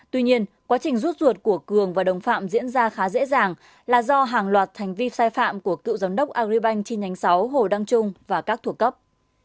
tuy nhiên quá trình rút ruột của cường và đồng phạm diễn ra khá dễ dàng là do hàng loạt hành vi sai phạm của cựu giám đốc agribank chi nhánh sáu hồ đăng trung và các thuộc cấp